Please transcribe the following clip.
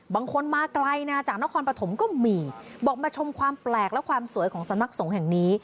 บางคนมาไกลนะจากนครปฐมก็มีบอกมาชมความแปลกและความสวยของสำนักสงฆ์แห่งนี้